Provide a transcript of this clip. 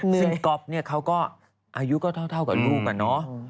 ซึ่งก๊อฟเนี่ยเขาก็อายุก็เท่ากับลูกอะเนาะ